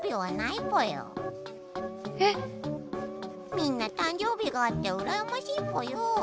みんな誕生日があってうらやましいぽよ。